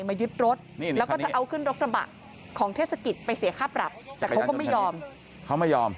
มายึดรถแล้วก็จะเอาขึ้นรถกระบะของเทศกิจไปเสียค่าปรับแต่เขาก็ไม่ยอมเขาไม่ยอม